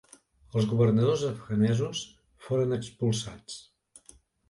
Els governadors afganesos foren expulsats.